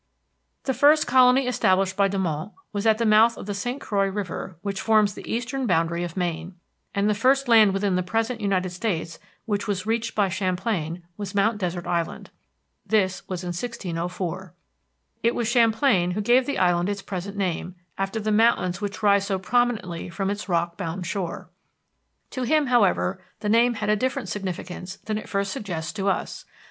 The first colony established by de Monts was at the mouth of the St. Croix River, which forms the eastern boundary of Maine, and the first land within the present United States which was reached by Champlain was Mount Desert Island. This was in 1604. It was Champlain who gave the island its present name, after the mountains which rise so prominently from its rock bound shore. To him, however, the name had a different significance than it first suggests to us.